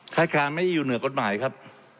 คล้ายคล้ายไม่ได้อยู่เหนือกฎหมายครับ